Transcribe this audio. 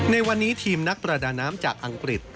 ในวันนี้ทีมนักประดาน้ำจากอังกฤษ